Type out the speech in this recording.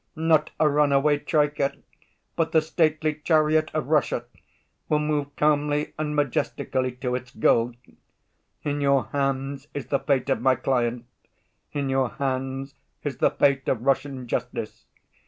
Not a runaway troika, but the stately chariot of Russia will move calmly and majestically to its goal. In your hands is the fate of my client, in your hands is the fate of Russian justice.